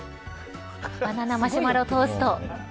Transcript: バナナマシュマロトースト。